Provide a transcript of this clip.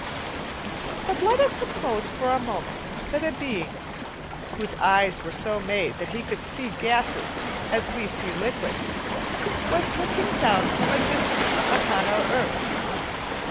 But let us suppose for a moment that a being, whose eyes were so made that he could see gases as we see liquids, was looking down from a distance upon our earth.